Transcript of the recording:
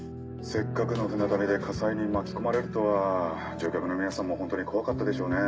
せっかくの船旅で火災に巻き込まれるとは乗客の皆さんもホントに怖かったでしょうね